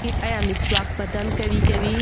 ایا مسواک بدن قوي کوي؟